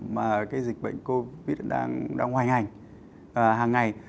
mà dịch bệnh covid đang hoàn hành hàng ngày